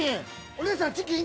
お姉さんチキン？